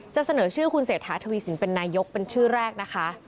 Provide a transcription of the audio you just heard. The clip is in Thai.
เสนอชื่อคุณเศรษฐาทวีสินเป็นนายกเป็นชื่อแรกนะคะ